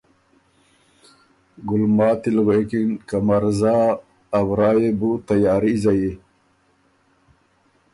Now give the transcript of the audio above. ګلماتي ل غوېکِن که ” مرزا ا ورا يې بُو تیاري زيي،